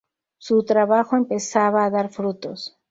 Su trabajo empezaba a dar frutos.